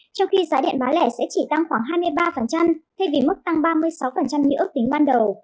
trong khi giá điện bán lẻ sẽ chỉ tăng khoảng hai mươi ba thay vì mức tăng ba mươi sáu như ước tính ban đầu